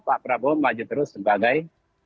pak prabowo maju terus sebagai